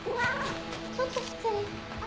ちょっと失礼。